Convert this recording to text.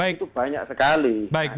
itu banyak sekali